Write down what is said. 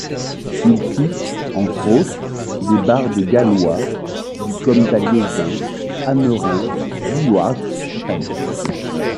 Il cite, entre autres, des bardes gallois du comme Taliesin, Aneurin, Llywarch Hen.